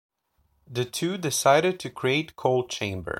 The two decided to create Coal Chamber.